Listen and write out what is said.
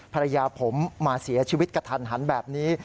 ภรรยาผมมาเสียชีวิตกระทันหันแบบนี้